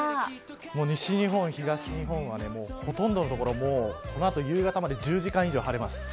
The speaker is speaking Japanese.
西日本、東日本はほとんどの所、この後夕方まで１０時間以上晴れます。